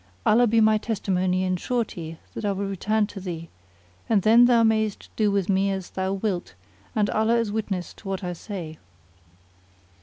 Allah be my testimony and surety that I will return to thee; and then thou mayest do with me as thou wilt and Allah is witness to what I say."